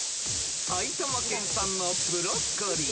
［埼玉県産のブロッコリー］